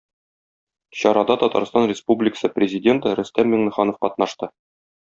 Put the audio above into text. Чарада Татарстан Республикасы Президенты Рөстәм Миңнеханов катнашты.